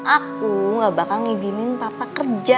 aku gak bakal ngidimin bapak kerja